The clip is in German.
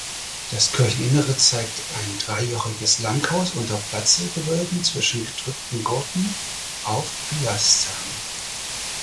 Das Kircheninnere zeigt ein dreijochiges Langhaus unter Platzlgewölben zwischen gedrückten Gurten auf Pilastern.